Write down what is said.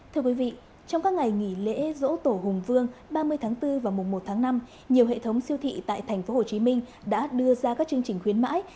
thưa quý vị trong các ngày nghỉ lễ dỗ tổ hùng vương ba mươi tháng bốn và mùa một tháng năm nhiều hệ thống siêu thị tại tp hcm đã đưa ra các chương trình khuyến mãi